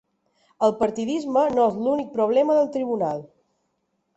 El partidisme no és l’únic problema del tribunal.